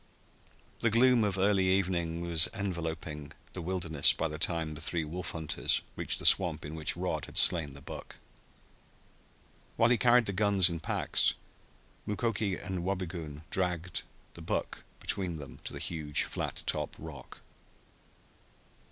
The gloom of early evening was enveloping the wilderness by the time the three wolf hunters reached the swamp in which Rod had slain the buck. While he carried the guns and packs, Mukoki and Wabigoon dragged the buck between them to the huge flat top rock.